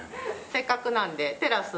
せっかくなんでテラス。